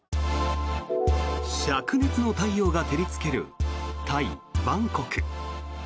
しゃく熱の太陽が照りつけるタイ・バンコク。